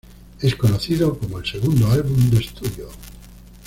Es conocido como el segundo álbum de estudio.